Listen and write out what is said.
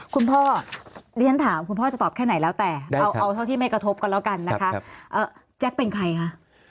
คุณพ่อดิฉันถามคุณพ่อจะตอบแค่ไหนแล้วแต่เอาเท่าที่ไม่กระทบกันแล้วกันนะคะแจ๊คเป็นใครคะ